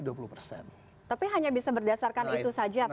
tapi hanya bisa berdasarkan itu saja pak